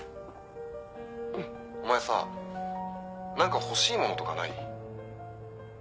お前さ何か欲しいものとかない？